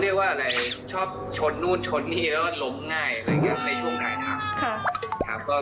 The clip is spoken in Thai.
ลี้เจ๋งทวยใจเนี่ยครับ